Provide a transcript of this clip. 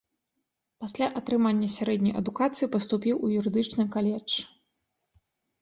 Пасля атрымання сярэдняй адукацыі паступіў у юрыдычны каледж.